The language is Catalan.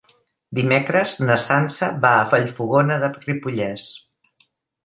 Dimecres na Sança va a Vallfogona de Ripollès.